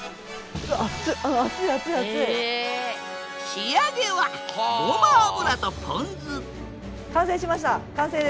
仕上げはごま油とポン酢完成しました完成です。